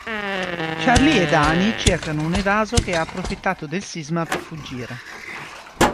Charlie e Dani cercano un evaso che ha approfittato del sisma per fuggire.